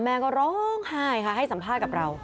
แม่ก็ร้องไห้ค่ะให้สัมภาษณ์กับเรา